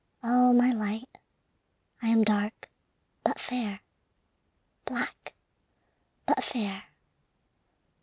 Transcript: O my light, I am dark but fair, Black but fair.